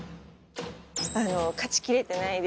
勝ちきれてないですよね